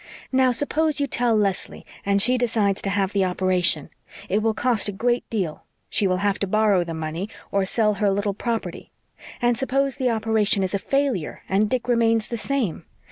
"Now, suppose you tell Leslie and she decides to have the operation. It will cost a great deal. She will have to borrow the money, or sell her little property. And suppose the operation is a failure and Dick remains the same.